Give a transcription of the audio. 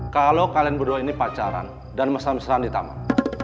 kalau kalian berdua ini pacaran dan mesan di taman